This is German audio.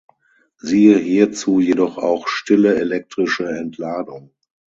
Siehe hierzu jedoch auch stille elektrische Entladung.